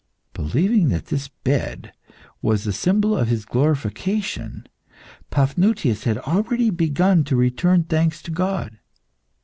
Believing that this bed was the symbol of his glorification, Paphnutius had already begun to return thanks to God.